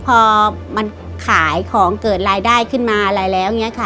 พอมันขายของเกิดรายได้ขึ้นมาอะไรแล้ว